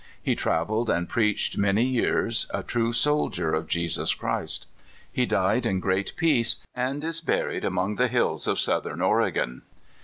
He traveled and preached many years, a true soldier of Jesus Christ. He died in great p»^ace, and is buried among the hills of Southern Oregon.